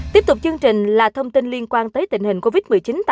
tiếp tục chương trình là thông tin liên quan tới tình hình covid một mươi chín